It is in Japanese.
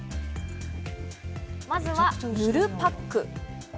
まずは塗るパック。